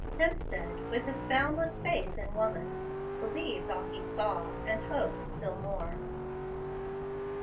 Hemstead, with his boundless faith in woman, believed all he saw, and hoped still more.